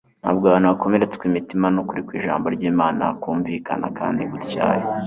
Ntabwo abantu bakomeretswa imitima nukuri kwijambo ryImana kumvikana kandi gutyaye